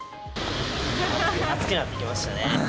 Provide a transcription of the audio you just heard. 暑くなってきましたね。